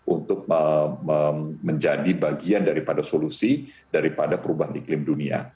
untuk menjadi bagian daripada solusi daripada perubahan iklim dunia